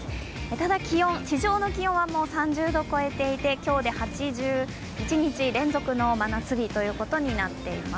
ただ、地上の気温は３０度を超えていて今日で８１日連続の真夏日となっています。